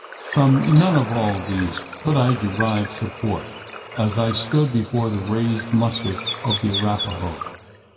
From none of all these could I derive support, as I stood before the raised musket of the Arapaho.